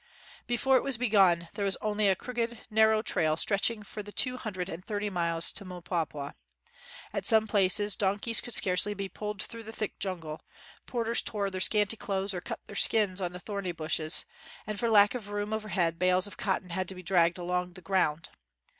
Before it was begun there was only a crooked, narrow trail stretching for the two hundred and thirty miles to Mpwapwa. At some places, donkeys could scarcely be 56 JUNGLE ROADS AND OX CARTS pulled through the thick jungle ; porters tore their scant}' clothes or cut their skius on the thorn} 7 bushes; and for lack of room over head, bales of cotton had to be dragged along the ground.